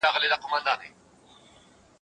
هغه خپل پلار ته وويل.